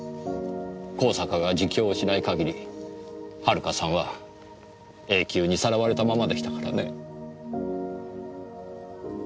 香坂が自供をしない限り遥さんは永久にさらわれたままでしたからね。